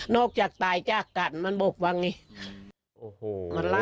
นอกจากตายจากกันมันบอกว่าอย่างนี้